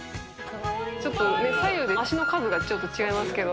ちょっと左右で足の数がちょっと違いますけど。